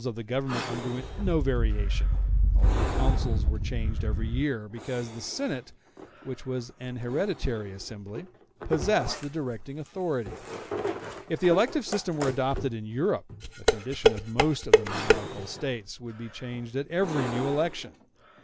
In Rome the principles of the Government underwent no variation, although the Consuls were changed every year, because the Senate, which was an hereditary assembly, possessed the directing authority. If the elective system were adopted in Europe, the condition of most of the monarchical States would be changed at every new election.